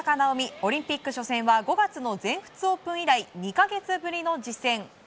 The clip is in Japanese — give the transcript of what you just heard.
オリンピック初戦は５月の全仏オープン以来２か月ぶりの実戦。